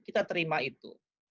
kita terima itu